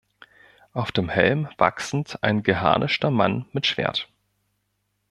Auf dem Helm wachsend ein geharnischter Mann mit Schwert.